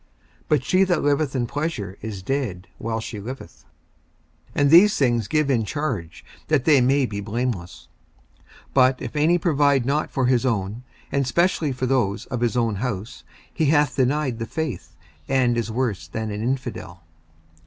54:005:006 But she that liveth in pleasure is dead while she liveth. 54:005:007 And these things give in charge, that they may be blameless. 54:005:008 But if any provide not for his own, and specially for those of his own house, he hath denied the faith, and is worse than an infidel.